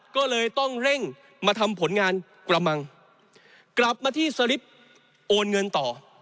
ก็เลยต้องเร่งมาทำผลงานกระมังกลับมาที่สลิปโอนเงินต่อ